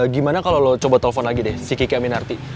gimana kalau lo coba telepon lagi deh si kiki aminarti